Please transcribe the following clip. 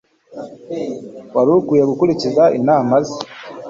Wari ukwiye gukurikiza inama ze.